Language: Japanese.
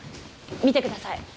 見てください。